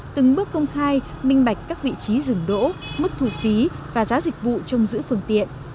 từng bước công khai minh bạch các vị trí rừng đỗ mức thủ phí và giá dịch vụ trông giữ phương tiện